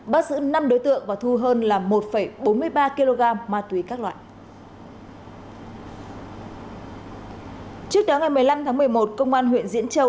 tăng lượng và thu hơn là một bốn mươi ba kg ma túy các loại trước đó ngày một mươi năm tháng một mươi một công an huyện diễn châu